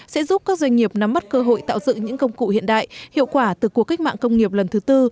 sẽ giúp các doanh nghiệp nắm mắt cơ hội tạo dựng những công cụ hiện đại hiệu quả từ cuộc cách mạng công nghiệp lần thứ tư